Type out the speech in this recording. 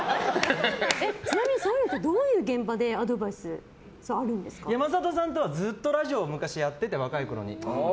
ちなみに、そういうのってどういう現場で山里さんとはずっとラジオをやってて、昔若いころに。